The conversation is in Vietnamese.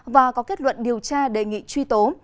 và có kết luận điều tra đề nghị truy tố